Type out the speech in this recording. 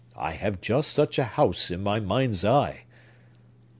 I have just such a house in my mind's eye!"